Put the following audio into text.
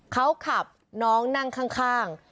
เขาขับน้องนั่งข้าง